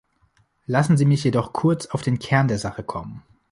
Lassen Sie mich jedoch kurz auf den Kern der Sache kommen.